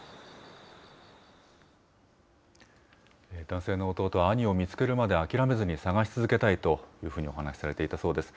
男性の弟は、兄を見つけるまで諦めずに捜し続けたいというふうにお話しされていたそうです。